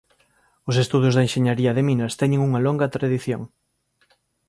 Os estudos de enxeñaría de minas teñen unha longa tradición.